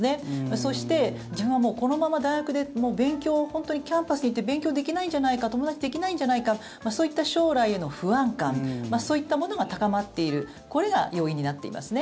そして自分はもう、このまま大学でキャンパスに行って勉強をできないんじゃないか友達できないんじゃないかそういった将来への不安感そういったものが高まっているこれが要因になってますね。